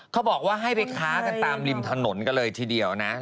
เขาบอกว่าให้ไปค้ากันตามริมถนนกันเลยทีเดียวนะ